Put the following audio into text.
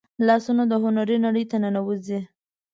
لاسونه د هنر نړۍ ته ننوځي